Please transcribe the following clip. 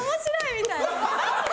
みたいな。